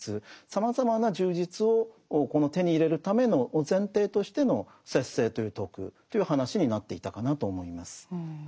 さまざまな充実を手に入れるための前提としての節制という徳という話になっていたかなと思います。